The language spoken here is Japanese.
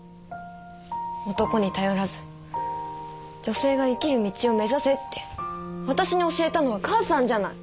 男に頼らず女性が生きる道を目指せって私に教えたのは母さんじゃない！